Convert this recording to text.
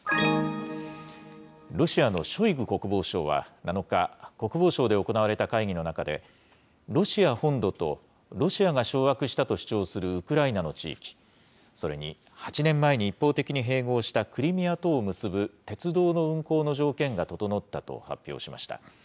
ロシアのショイグ国防相は７日、国防省で行われた会議の中で、ロシア本土とロシアが掌握したと主張するウクライナの地域、それに８年前に一方的に併合したクリミアとを結ぶ鉄道の運行の条件が整ったと発表しました。